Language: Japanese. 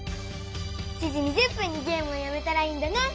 ７時２０分にゲームをやめたらいいんだね！